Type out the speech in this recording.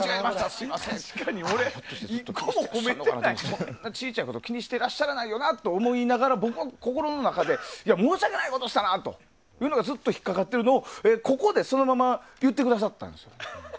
そんな小さいことを気にしていらっしゃらないよなと思いながら僕は心の中で申し訳ないことをしたなというのがずっと引っかかってるのをここでそのまま言ってくださったんですよ。